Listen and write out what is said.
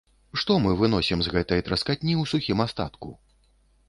Што мы выносім з гэтай траскатні ў сухім астатку?